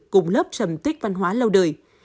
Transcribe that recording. cùng lớp trầm tích văn hóa lâu đời